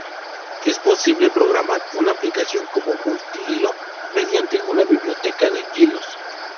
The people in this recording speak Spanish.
Es posible programar una aplicación como multihilo mediante una biblioteca de hilos.